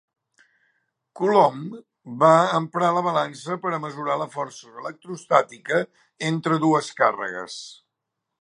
Coulomb va emprar la balança per a mesurar la força electroestàtica entre dues càrregues.